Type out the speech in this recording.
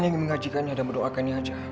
saya ingin mengajikannya dan mendoakannya aja